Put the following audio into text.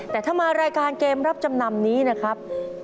แต่ถ้ามารายการเกมรับจำนำนี้นะครับ